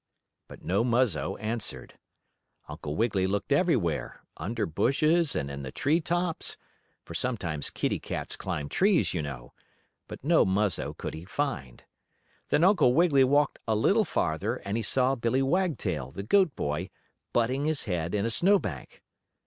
But no Muzzo answered. Uncle Wiggily looked everywhere, under bushes and in the tree tops; for sometimes kitty cats climb trees, you know; but no Muzzo could he find. Then Uncle Wiggily walked a little farther, and he saw Billie Wagtail, the goat boy, butting his head in a snow bank.